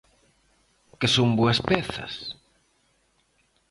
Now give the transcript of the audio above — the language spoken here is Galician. Que son boas pezas?